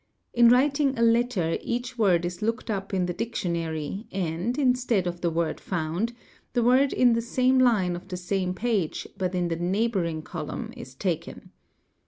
In writing a letter each word is looked up in the dictionary and, instead of the word found, the word in the same line of the same page but in the neighbouring columnis taken.